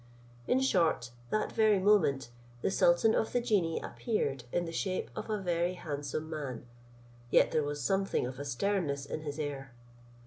In short, that very moment, the sultan of the genii appeared in the shape of a very handsome man, yet there was something of a sternness in his air.